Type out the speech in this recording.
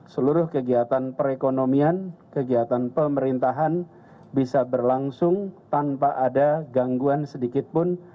seluruh kegiatan perekonomian kegiatan pemerintahan bisa berlangsung tanpa ada gangguan sedikitpun